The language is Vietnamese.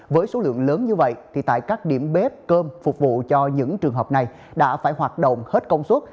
với số lượng lớn như vậy thì tại các điểm bếp cơm phục vụ cho những trường hợp này đã phải hoạt động hết công suất